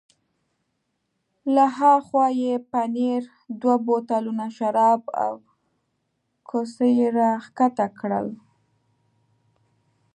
له ها خوا یې پنیر، دوه بوتلونه شراب او کوسۍ را کښته کړل.